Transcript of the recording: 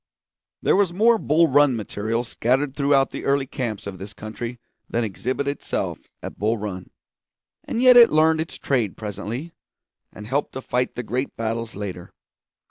There was more Bull Run material scattered through the early camps of this country than exhibited itself at Bull Run. And yet it learned its trade presently, and helped to fight the great battles later.